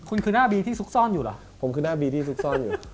คุณคือหน้าบีที่ซุกซ่อนอยู่เหรอผมคือหน้าบีที่ซุกซ่อนอยู่